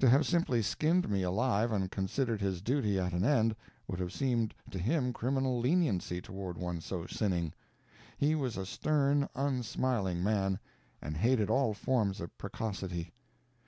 To have simply skinned me alive and considered his duty at an end would have seemed to him criminal leniency toward one so sinning. He was a stern, unsmiling man, and hated all forms of precocity.